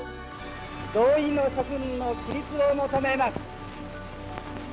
同意の諸君の起立を求めます。